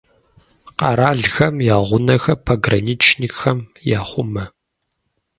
Къэралхэм я гъунэхэр пограничникхэм яхъумэ.